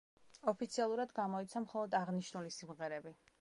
ოფიციალურად გამოიცა მხოლოდ აღნიშნული სიმღერები.